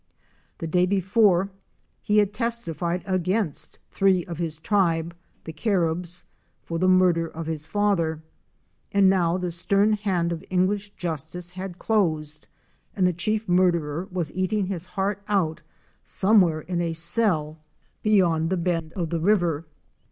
The day before, he had testified against three of his tribe — the Caribs — for the murder of his father, and now the stern hand of English justice had closed and the chief murderer was eating his heart out somewhere in a cell beyond the 148 OUR SEARCH FOR A WILDERNESS. bend of the river.